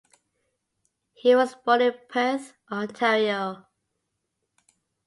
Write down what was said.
He was born in Perth, Ontario.